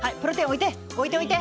置いて置いて。